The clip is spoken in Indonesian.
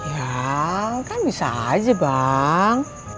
ya kan bisa aja bang